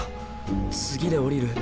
次で降りる？